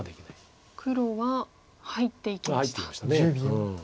黒は入っていきました。